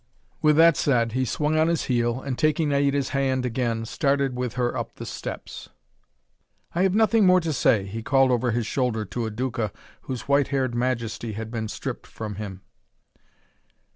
With that said, he swung on his heel, and taking Naida's hand again, started with her up the steps. "I have nothing more to say," he called over his shoulder to a Duca whose white haired majesty had been stripped from him.